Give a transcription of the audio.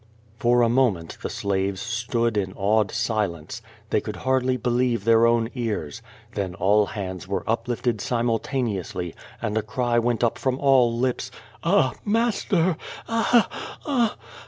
For a moment the slaves stood in awed silence. They could hardly believe their own cars. Then all hands were uplifted simultjineously and a cry went up from all lips: "Ah, master! Ah — ah — ah!"